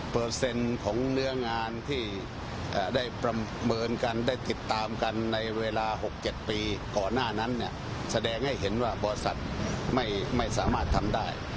ของเนื้องานที่ได้ประเมินกันได้ติดตามกันในเวลา๖๗ปีก่อนหน้านั้นเนี่ยแสดงให้เห็นว่าบริษัทไม่สามารถทำได้